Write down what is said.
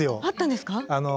あったんですか？